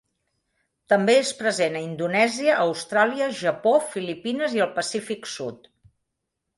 També és present a Indonèsia, Austràlia, Japó, Filipines i el Pacífic sud.